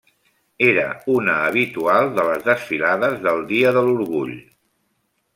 Era una habitual de les desfilades del dia de l'orgull.